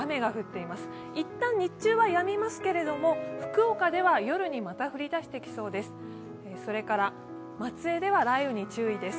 いったん日中はやみますけれども福岡では夜にまた降り出してきそうです。